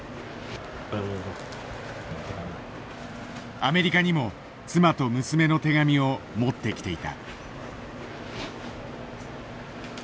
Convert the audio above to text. アメリカにも妻と娘の手紙を持ってきていた。